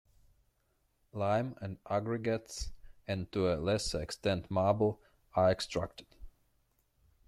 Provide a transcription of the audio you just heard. Lime and aggregates and to a lesser extent marble are extracted.